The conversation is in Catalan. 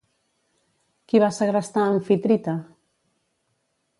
Qui va segrestar Amfitrite?